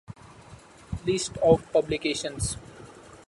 List of publications.